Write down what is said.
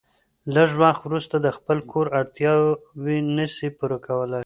لږ وخت وروسته د خپل کور اړتياوي نسي پوره کولای